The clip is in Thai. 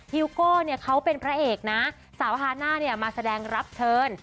ฮิลโก้เขาเป็นพระเอกนะสาวฮานะมาแสดงรับเชิญ